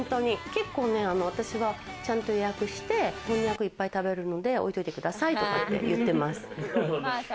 結構私はちゃんと予約して、こんにゃく、いっぱい食べるので置いといてくださいって言ってます。